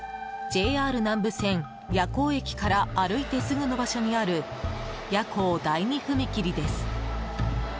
ＪＲ南武線矢向駅から歩いてすぐの場所にある矢向第二踏切です。